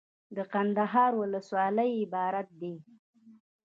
دکندهار ولسوالۍ عبارت دي.